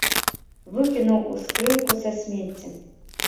Выкінуў ў скрынку са смеццем.